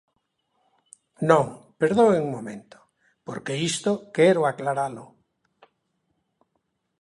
Non, perdoen un momento, porque isto quero aclaralo.